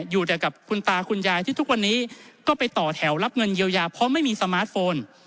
อยู่แต่กับคุณตาคุณยายที่ทุกวันนี้ก็ไปต่อแถวรับเงินเยียวยาเพราะไม่มีสมาร์ทโฟน